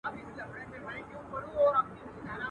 پرېږدی په اور يې اوربل مه ورانوی.